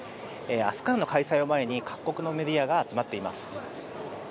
明日からの開催を前に各国のメディアが集まっています。